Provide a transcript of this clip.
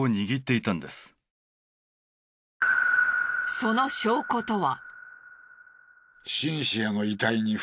その証拠とは。